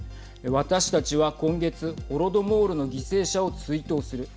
私たちは今月ホロドモールの犠牲者を追悼する。